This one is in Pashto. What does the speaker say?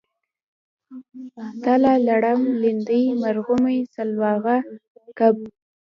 تله لړم لیندۍ مرغومی سلواغه کب